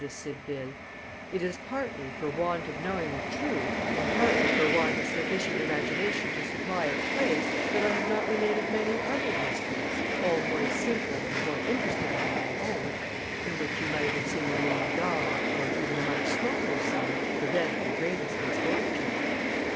de Cideville, "it is partly for want of knowing the truth, and partly for want of sufficient imagination to supply its place, that I have not related many other histories, all more simple and more interesting than my own, in which you might have seen a louis d'or, or even a much smaller sum, prevent the greatest misfortunes.